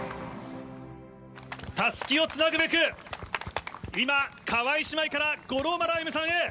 たすきをつなぐべく、今、川井姉妹から五郎丸歩さんへ。